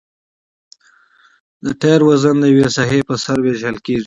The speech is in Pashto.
د ټایر وزن د یوې ساحې په سر ویشل کیږي